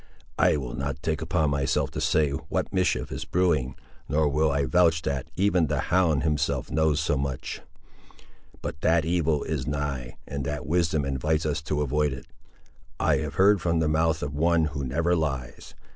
I will not take upon myself to say what mischief is brewing, nor will I vouch that, even, the hound himself knows so much; but that evil is nigh, and that wisdom invites us to avoid it, I have heard from the mouth of one who never lies.